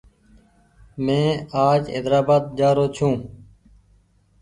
مينٚ آج حيدرآبآد جآرو ڇوٚنٚ